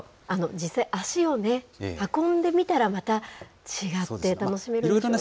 実際、足を運んでみたら、また違って楽しめるでしょうね。